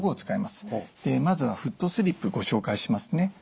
まずはフットスリップご紹介しますね。